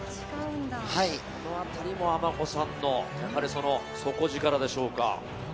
この辺りもあまこさんの底力でしょうか。